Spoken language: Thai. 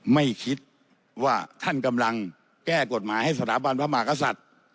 ไม่คิดว่าท่านกำลังแก้กฎหมายให้สถาบันพระมหากษัตริย์